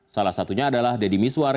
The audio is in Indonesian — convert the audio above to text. salah satunya adalah deddy miswar